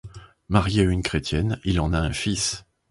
Marié à une chrétienne il en a un fils.